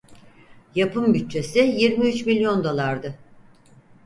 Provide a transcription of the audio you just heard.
Yapım bütçesi yirmi üç milyon dolardı.